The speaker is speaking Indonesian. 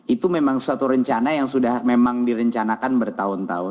itu memang suatu rencana yang sudah memang direncanakan